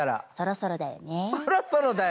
そろそろだよ。